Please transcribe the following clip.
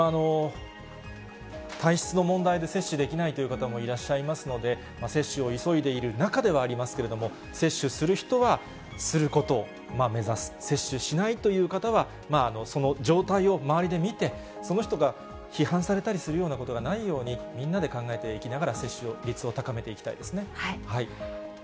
体質の問題で接種できないという方もいらっしゃいますので、接種を急いでいる中ではありますけれども、接種する人はすることを目指す、接種しないという方は、その状態を周りで見て、その人が批判されたりするようなことがないように、みんなで考えていきながら接種率を高めていきたいですね。